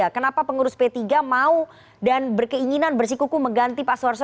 kenapa pengurus p tiga mau dan berkeinginan bersikuku mengganti pak suarso